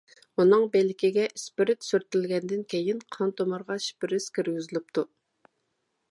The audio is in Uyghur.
ئۇنىڭ بىلىكىگە ئىسپىرت سۈرتۈلگەندىن كېيىن، قان تومۇرىغا شپىرىس كىرگۈزۈلۈپتۇ.